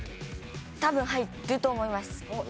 多分入ると思います。